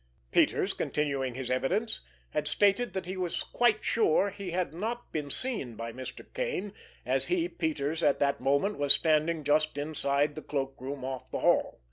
Peters, continuing his evidence, had stated that he was quite sure he had not been seen by Mr. Kane, as he, Peters, at that moment was standing just inside the cloakroom off the hall.